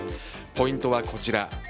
ポイントはこちら。